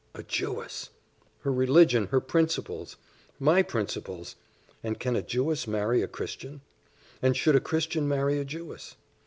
A Jewess! her religion her principles my principles! And can a Jewess marry a Christian? And should a Christian marry a Jewess?